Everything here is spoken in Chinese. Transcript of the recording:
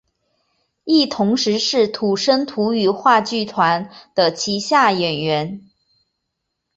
亦同时是土生土语话剧团的旗下演员。